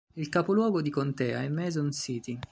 Il capoluogo di contea è Mason City.